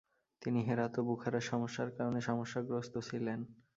তিনি হেরাত ও বুখারার সমস্যার কারণে সমস্যাগ্রস্ত ছিলেন।